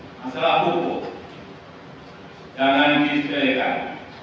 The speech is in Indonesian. masalah hukum jangan disediakan